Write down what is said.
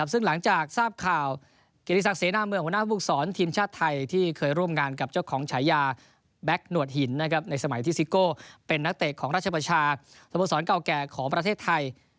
ซึ่งหลังจากทราบข่าวเกียรติศักดิเสนาเมืองหัวหน้าภูมิสอนทีมชาติไทยที่เคยร่วมงานกับเจ้าของฉายาแบ็คหนวดหินในสมัยที่ซิโก้เป็นนักเตะของราชประชาสโมสรเก่าแก่ของประเทศไทย